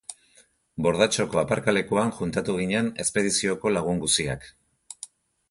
Bordatxoko aparkalekuan juntatu ginen espedizioko lagun guziak.